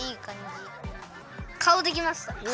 かおできました。